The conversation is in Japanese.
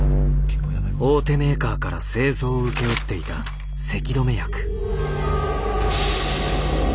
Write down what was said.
大手メーカーから製造を請け負っていたせき止め薬。